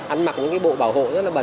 ăn mặc những cái bộ bảo hộ rất là bẩ